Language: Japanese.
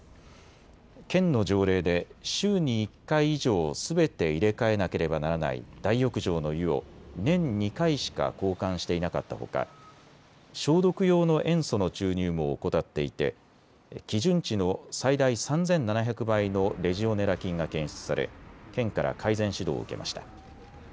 県の条例で週に１回以上すべて入れ替えなければならない大浴場の湯を年２回しか交換していなかったほか消毒用の塩素の注入も怠っていて基準値の最大３７００倍のレジオネラ菌が検出され県から改善指導を受けました。